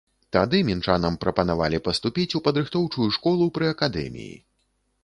Тады мінчанам прапанавалі паступіць у падрыхтоўчую школу пры акадэміі.